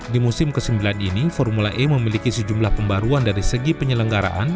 di musim ke sembilan ini formula e memiliki sejumlah pembaruan dari segi penyelenggaraan